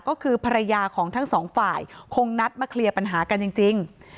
ก็คือภรรยาของทั้งสองฝ่ายคงนัดมาเคลียร์ปัญหากันจริง